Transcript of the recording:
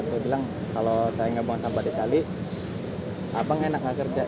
saya bilang kalau saya nggak buang sampah di kali abang enak nggak kerja